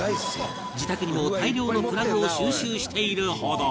自宅にも大量のプラグを収集しているほど